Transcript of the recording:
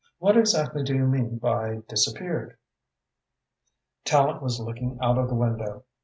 What exactly do you mean by 'disappeared'?" Tallente was looking out of the window.